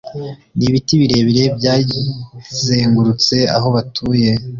Nibiti birebire byazengurutse aho batuye